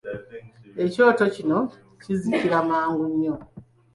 Ekyoto kino kizikira mangu nnyo.